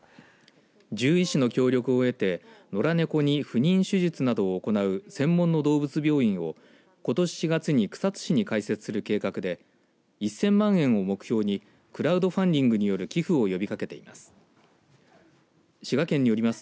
獣医師の協力を得て野良猫に不妊手術などを行う専門の動物病院をことし４月に草津市に開設する計画で１０００万円を目標にクラウドファンディングによる寄付を呼びかけています。